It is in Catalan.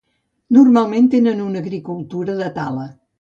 Normalment tenen una agricultura de tala.